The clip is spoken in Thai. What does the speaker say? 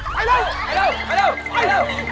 ไปเลยไอ้เร็วไปเลย